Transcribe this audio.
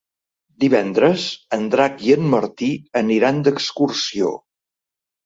Divendres en Drac i en Martí aniran d'excursió.